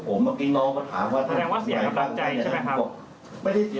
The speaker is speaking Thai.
เพราะมีคนเห็นประยุทธ์นั่งอยู่ด้วยอะไรอย่างนี้